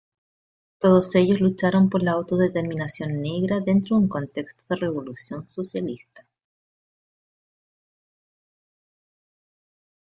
Todos ellos lucharon por la autodeterminación negra dentro de un contexto de revolución socialista.